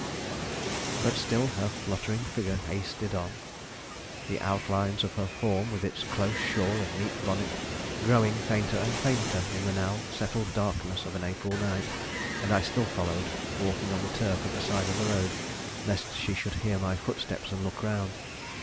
But still her fluttering figure hasted on, the outlines of her form, with its close shawl and neat bonnet, growing fainter and fainter in the now settled darkness of an April night; and still I followed, walking on the turf at the side of the road lest she should hear my footsteps and look round.